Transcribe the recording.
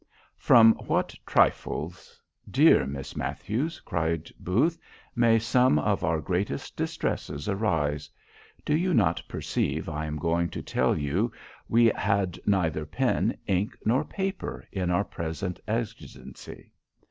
_ "From what trifles, dear Miss Matthews," cried Booth, "may some of our greatest distresses arise!" Do you not perceive I am going to tell you we had neither pen, ink, nor paper, in our present exigency?